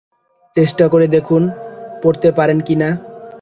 চেষ্টা করে দেখুন, পড়তে পারেন কি না।